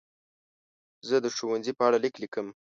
زه د ښوونځي په اړه لیک لیکم.